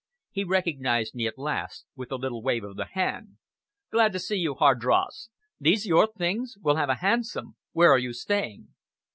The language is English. He recognized me at last with a little wave of the hand. "Glad to see you, Hardross! These your things? We'll have a hansom. Where are you staying?"